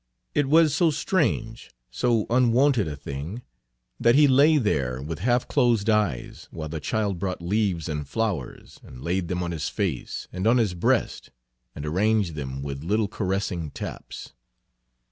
It was so strange, so unwonted a thing, that he lay there with half closed eyes while the child brought leaves and flowers and laid Page 321 them on his face and on his breast, and arranged them with little caressing taps.